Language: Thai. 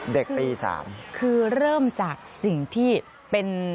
เด็กปี๓คือเริ่มจากสิ่งที่เป็น